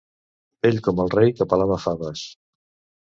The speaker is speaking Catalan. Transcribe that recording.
Vell com el rei que pelava faves.